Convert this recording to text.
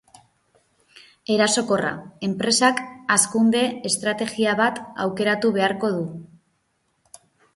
Erasokorra: enpresak hazkunde estrategia bat aukeratu beharko du.